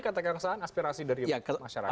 kata kang saan aspirasi dari masyarakat